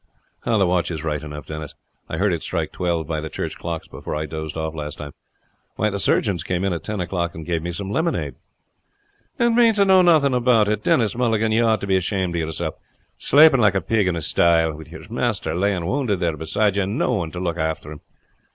"The watch is right enough, Denis. I heard it strike twelve by the church clocks before I dozed off last time. Why, the surgeons came in at ten o'clock and gave me some lemonade." "And me to know nothing about it! Denis Mulligan, you ought to be ashamed of yourself slaping like a pig in a stye, with your master laying wounded there beside you, and no one to look after him.